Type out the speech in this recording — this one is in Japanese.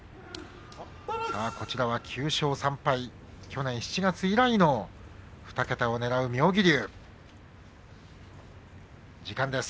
こちらは９勝３敗去年７月以来の２桁をねらう妙義龍。